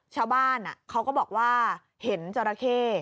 ชาวบ้านเขาก็บอกว่าเห็นจราเข้